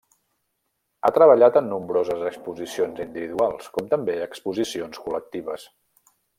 Ha treballat en nombroses exposicions individuals com també exposicions col·lectives.